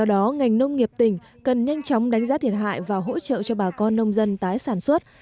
doanh nghiệp tỉnh cần nhanh chóng đánh giá thiệt hại và hỗ trợ cho bà con nông dân tái sản xuất